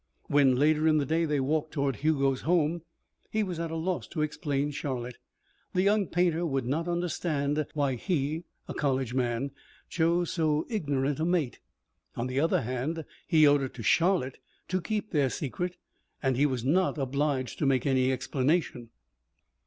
'" When, later in the day, they walked toward Hugo's home, he was at a loss to explain Charlotte. The young painter would not understand why he, a college man, chose so ignorant a mate. On the other hand, he owed it to Charlotte to keep their secret and he was not obliged to make any explanation.